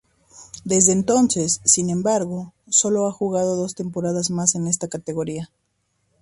Desde entonces, sin embargo, sólo ha jugado dos temporadas más en esta categoría.